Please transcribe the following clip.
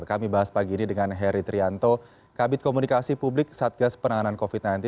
kami bahas pagi ini dengan heri trianto kabit komunikasi publik satgas penanganan covid sembilan belas